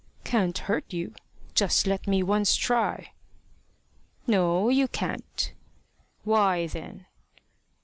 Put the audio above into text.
"Can't hurt you! Just let me once try." "No, you can't." "Why then?"